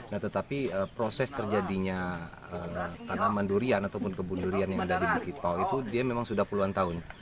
nah tetapi proses terjadinya tanaman durian ataupun kebun durian yang ada di bukit pau itu dia memang sudah puluhan tahun